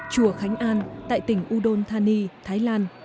chùa khánh an tại tỉnh udon thani thái lan